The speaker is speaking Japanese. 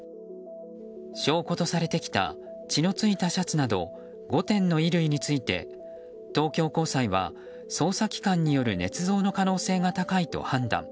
証拠とされてきた血の付いたシャツなど５点の衣類について、東京高裁は捜査機関によるねつ造の可能性が高いと判断。